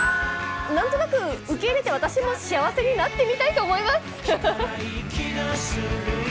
何となく受け入れて私も幸せになってみたいと思います！